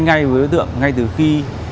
ngay với đối tượng ngay từ khi